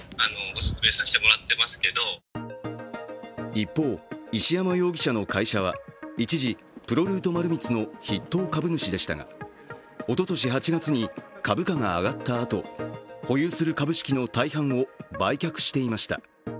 一方、石山容疑者の会社は一時、プロルート丸光の筆頭株主でしたが、おととし８月に株価が上がったあと、保有する株式の大半を売却していました。